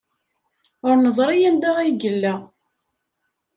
Ur neẓri anda ay yella.